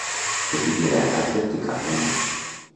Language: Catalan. Petit i allargat verticalment.